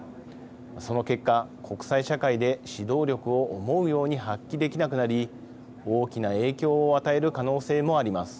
その結果、国際社会で指導力を思うように発揮できなくなり大きな影響を与える可能性もあります。